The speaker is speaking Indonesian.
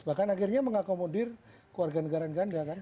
bahkan akhirnya mengakomodir warganegaraan ganda kan